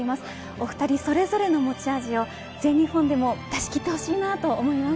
お二人それぞれの持ち味を全日本でも出し切ってほしいなと思います。